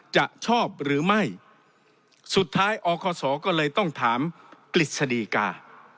จะชอบหรือไม่สุดท้ายอคศก็เลยต้องถามกฤษฎีกา